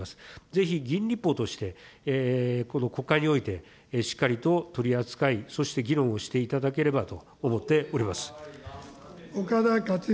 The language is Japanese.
ぜひ議員立法として、この国会において、しっかりと取り扱い、そして議論をしていただければと思っております。